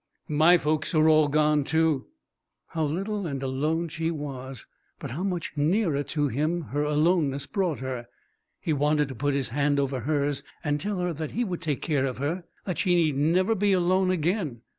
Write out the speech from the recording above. "My folks are all gone, too." How little and alone she was, but how much nearer to him her aloneness brought her. He wanted to put his hand over hers and tell her that he would take care of her, that she need never be alone again.